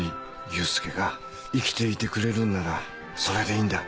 優輔が生きていてくれるんならそれでいいんだ。